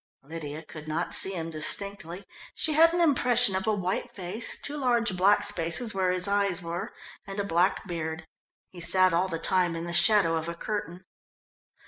Lydia could not see him distinctly. She had an impression of a white face, two large black spaces where his eyes were and a black beard. He sat all the time in the shadow of a curtain.